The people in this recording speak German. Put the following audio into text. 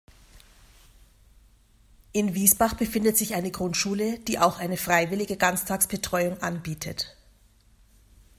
In Wiesbach befindet sich eine Grundschule, die auch eine freiwillige Ganztagsbetreuung anbietet.